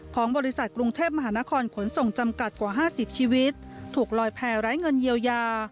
ของบริษัทกรุงเทพมหานครขนส่งจำกัดกว่า๕๐ชีวิตถูกลอยแพร่ไร้เงินเยียวยา